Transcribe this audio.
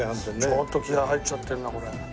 ちょっと気合入っちゃってるなこれ。